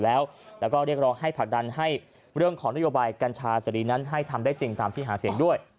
แล้วก็เรียกร้องให้ผลักดันให้เรื่องของนโยบายกัญชาเสรีนั้นให้ทำได้จริงตามที่หาเสียงด้วย